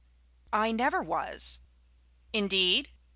"I never was." "Indeed?